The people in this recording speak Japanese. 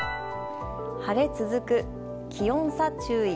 晴れ続く、気温差注意。